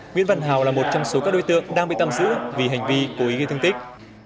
nguyễn văn hào là một trong số các đối tượng đang bị tạm giữ vì hành vi cố ý gây thương tích